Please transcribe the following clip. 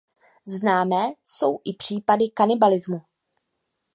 Známe jsou i případy kanibalismu.